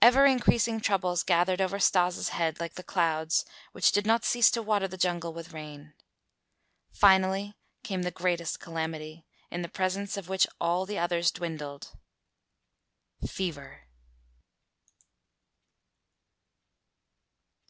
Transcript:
Ever increasing troubles gathered over Stas' head like the clouds which did not cease to water the jungle with rain. Finally came the greatest calamity, in the presence of which all the others dwindled fever!